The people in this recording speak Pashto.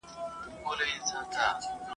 هغه هرڅه د دې زرکي برکت وو !.